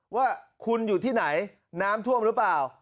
ว่าคุณอยู่ที่ไหนน้ำท่วมหรือเปล่า